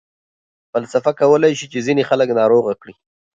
فلسفه کولای شي چې ځینې خلک ناروغه کړي.